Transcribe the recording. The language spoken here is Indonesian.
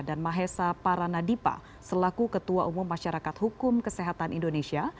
dan mahesa paranadipa selaku ketua umum masyarakat hukum kesehatan indonesia